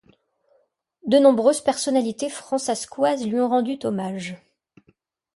De nombreuses personnalités fransaskoises lui ont rendu hommage.